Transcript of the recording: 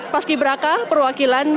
paski beraka perwakilan